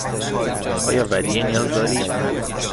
آیا ودیعه نیاز دارید؟